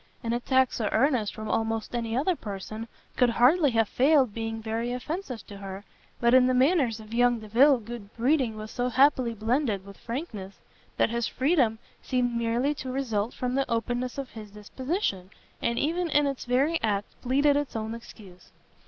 An attack so earnest from almost any other person could hardly have failed being very offensive to her, but in the manners of young Delvile good breeding was so happily blended with frankness, that his freedom seemed merely to result from the openness of his disposition, and even in its very act pleaded its own excuse.